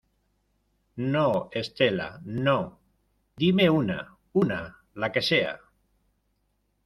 no, Estela , no. dime una , una , la que sea .